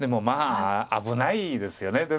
まあ危ないですよね。